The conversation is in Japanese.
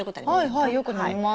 はいはいよく飲みます。